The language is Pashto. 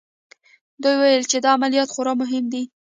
دوی ویل چې دا عملیات خورا مهم دی